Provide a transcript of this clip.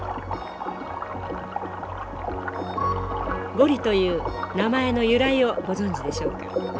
ゴリという名前の由来をご存じでしょうか？